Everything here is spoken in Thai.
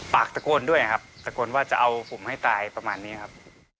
ตะโกนด้วยครับตะโกนว่าจะเอาผมให้ตายประมาณนี้ครับ